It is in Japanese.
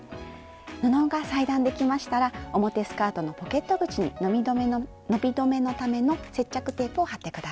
布が裁断できましたら表スカートのポケット口に伸び止めのための接着テープを貼って下さい。